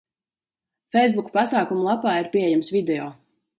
Feisbuka pasākuma lapā ir pieejams video.